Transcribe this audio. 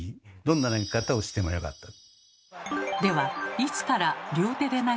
どんな投げ方をしてもよかった。